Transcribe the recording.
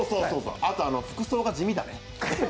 あと、服装が地味だね。